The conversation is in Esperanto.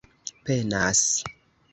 penas